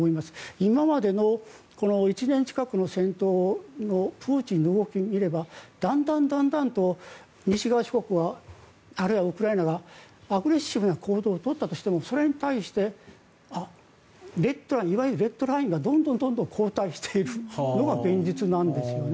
今までの、１年近くの戦闘のプーチンの動きを見ればだんだんと西側諸国はあるいはウクライナがアグレッシブな行動を取ったとしてもそれに対していわゆるレッドラインがどんどん後退しているのが現実なんですよね。